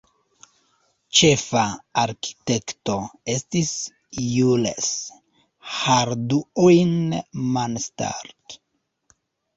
Ĉefa arkitekto estis Jules Hardouin-Mansart.